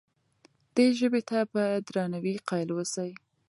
دې ژبې ته په درناوي قایل اوسئ.